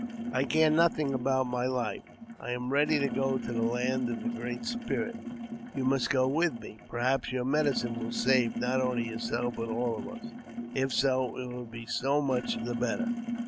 I care nothing about my life : I am ready to go to the land of the Great Spirit. You must go with me ; perhaps your medicine will save not only yourself, but all of us. If so, it will be so much the better."